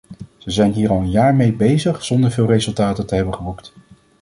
Ze zijn hier al een jaar mee bezig zonder veel resultaten te hebben geboekt.